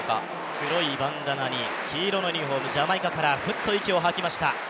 黒いバンダナに黄色のユニフォーム、ジャマイカカラー、フッと息を吐きました。